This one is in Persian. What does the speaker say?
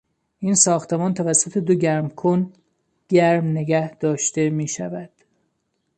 این ساختمان توسط دو گرمکن گرم نگهداشته میشود.